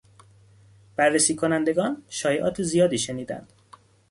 بررسی کنندگان، شایعات زیادی شنیدند.